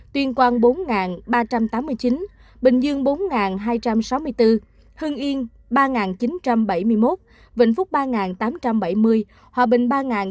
tuyên quang bốn ba trăm tám mươi chín bình dương bốn hai trăm sáu mươi bốn hưng yên ba chín trăm bảy mươi một vịnh phúc ba tám trăm bảy mươi hòa bình ba tám trăm bốn mươi bốn